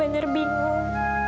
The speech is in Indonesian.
mila benar benar bingung